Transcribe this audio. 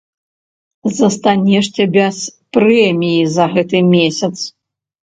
Застанешся без прэміі за гэты месяц!